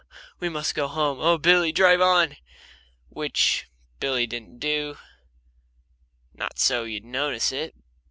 We must go home. Oh, Billy, drive on!" Which Billy didn't do, not so you'd notice it.